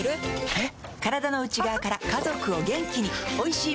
えっ？